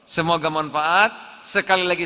semoga manfaat sekali lagi